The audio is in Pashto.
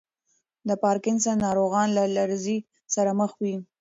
د پارکینسن ناروغان له لړزې سره مخ وي.